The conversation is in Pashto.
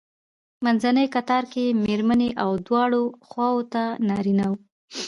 منځنی کتار کې مېرمنې او دواړو خواوو ته نارینه وو.